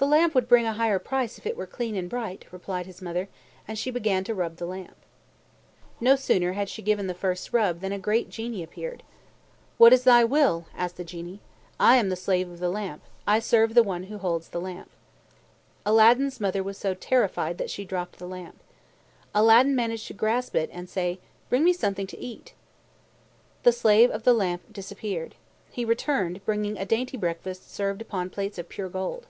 "The lamp would bring a higher price if it were clean and bright," replied his mother, and she began to rub the lamp. No sooner had she given the first rub than a great Genie appeared. "What is thy will?" asked the Genie. "I am the Slave of the Lamp. I serve the one who holds the lamp." Aladdin's mother was so terrified that she dropped the lamp. Aladdin managed to grasp it, and say, "Bring me something to eat." The Slave of the Lamp disappeared. He returned, bringing a dainty breakfast served upon plates of pure gold.